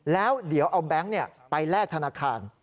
แล้วเดี๋ยวเอาแบงค์ไปแลกธนาคาร